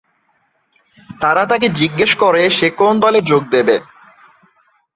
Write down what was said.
তারা তাকে জিজ্ঞাসা করে সে কোন দলে যোগ দেবে।